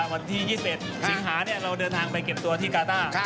วันที่๒๑สิงหาเราเดินทางไปเก็บตัวที่กาต้า